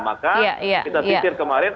maka kita cekir kemarin